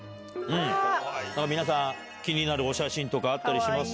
皆さん、気になるお写真とかあったりします？